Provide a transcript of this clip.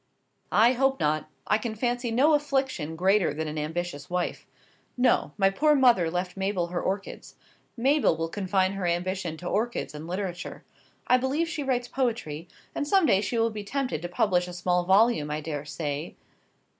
"I hope not. I can fancy no affliction greater than an ambitious wife. No. My poor mother left Mabel her orchids. Mabel will confine her ambition to orchids and literature. I believe she writes poetry, and some day she will be tempted to publish a small volume, I daresay.